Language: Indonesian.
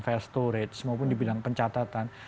file storage maupun di bidang pencatatan